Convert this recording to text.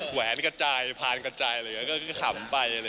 แหวนกระจายพานกระจายแล้วก็ขำไป